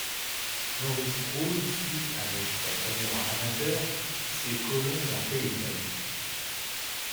Maurice Proulx suit avec sa caméra amateur ces colons d’un pays neuf.